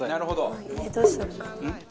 どうしようかな。